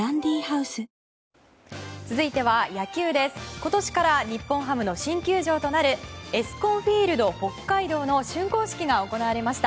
今年から日本ハムの新球場となるエスコンフィールドＨＯＫＫＡＩＤＯの竣工式が行われました。